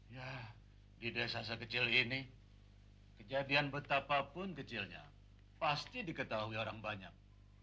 ya di desa sekecil ini kejadian betapapun kecilnya pasti diketahui orang banyak